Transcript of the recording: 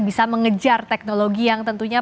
bisa mengejar teknologi yang tentunya